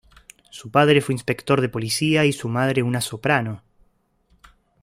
Su padre fue inspector de policía y su madre una soprano.